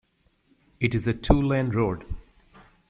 It is a two-lane road.